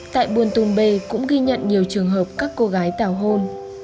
tại buôn tùng bê cũng ghi nhận nhiều trường hợp các cô gái tào hôn